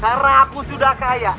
karena aku sudah kaya